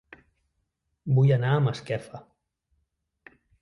Vull anar a Masquefa